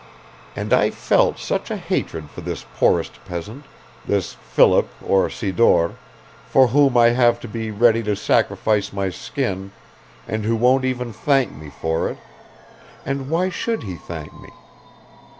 . And I felt such a hatred for this poorest peasant, this Philip or Sidor, for whom I have to be ready to sacrifice my skin and who won't even thank me for it and why should he thank me?